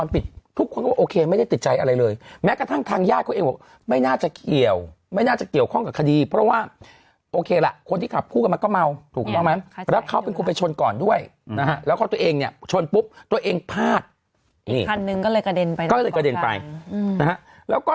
พลาดอีกทันหนึ่งก็เลยกระเด็นไปก็เลยกระเด็นไปอืมนะฮะแล้วก็